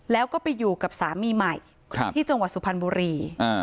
แล้วก็ไปอยู่กับสามีใหม่ที่จังหวัดสุพรรณบุรี